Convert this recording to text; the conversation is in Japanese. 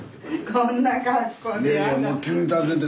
こんな格好でやだ。